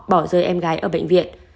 bỏ rơi em gái ở bệnh viện